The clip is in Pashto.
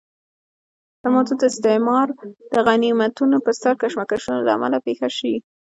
دا موضوع د استعمار د غنیمتونو پر سر کشمکشونو له امله پېښه شي.